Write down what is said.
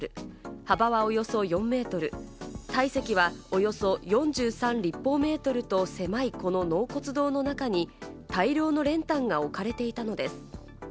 幅はおよそ４ｍ、体積はおよそ４３立方メートルと、狭いこの納骨堂の中に大量の練炭が置かれていたのです。